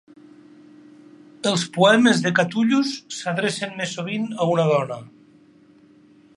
Els poemes de Catullus s'adrecen més sovint a una dona.